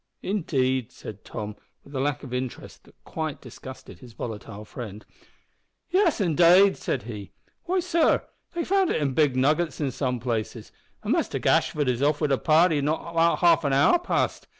"Indeed," said Tom, with a lack of interest that quite disgusted his volatile friend. "Yes, indade," said he. "Why, sor, they've found it in big nuggets in some places, an' Muster Gashford is off wid a party not half an hour past.